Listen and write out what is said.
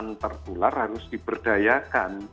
yang tertular harus diberdayakan